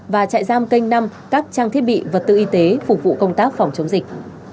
và chạy giam kênh năm các trang thiết bị vật tư y tế phục vụ công tác phòng chống dịch